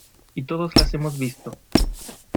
y todos las hemos visto.